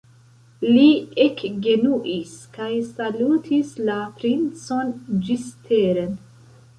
Li ekgenuis kaj salutis la princon ĝisteren.